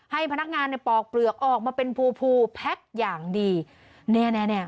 ให้พนักงานเนี่ยปอกเปลือกออกมาเป็นภูแพ็กอย่างดีเนี่ยเนี่ยเนี่ย